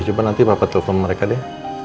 coba nanti papa telepon mereka deh